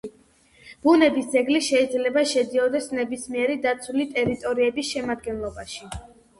ბუნების ძეგლი შეიძლება შედიოდეს ნებისმიერი დაცული ტერიტორიების შემადგენლობაში.